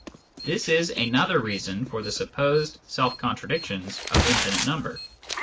This is another reason for the supposed self contradictions of infinite number.